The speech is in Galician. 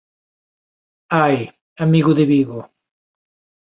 Ai, amigo de Vigo!